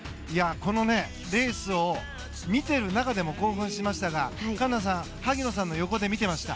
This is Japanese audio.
このレースを見ている中でも興奮しましたが環奈さん萩野さんの横で見ていました。